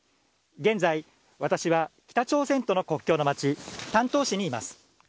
現在、私は北朝鮮との国境の町、丹東市にいます。